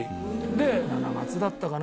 で、夏だったかな？